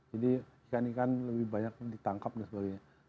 jadi ikan ikan lebih banyak ditangkap dan sebagainya